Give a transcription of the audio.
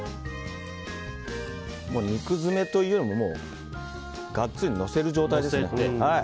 肉詰めというよりも、もうがっつりのせる状態ですね。